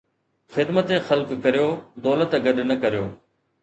خدمت خلق ڪريو، دولت گڏ نه ڪريو